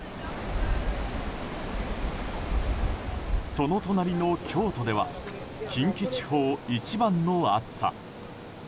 その隣の京都では近畿地方一番の暑さ。